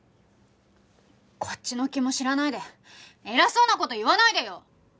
こっちの気も知らないで偉そうな事言わないでよ！